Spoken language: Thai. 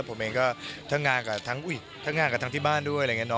แล้วผมเองก็ทั้งงานกับทั้งที่บ้านด้วยอะไรอย่างนี้